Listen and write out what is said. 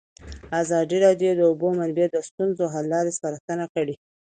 ازادي راډیو د د اوبو منابع د ستونزو حل لارې سپارښتنې کړي.